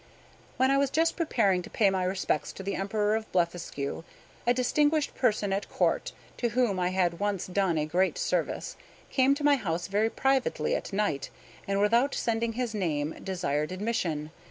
When I was just preparing to pay my respects to the Emperor of Blefuscu, a distinguished person at Court, to whom I had once done a great service, came to my house very privately at night, and without sending his name desired admission.